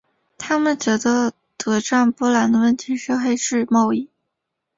他们觉得德占波兰的问题是黑市贸易。